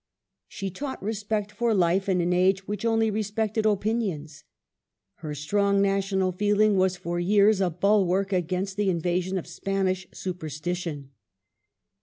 She taught respect for hfe in an age which only respected opinions. Her strong national feehng was for years a bul wark against the invasion of Spanish supersti tion.